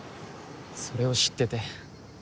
それを知ってて。